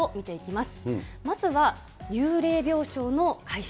まずは幽霊病床の解消。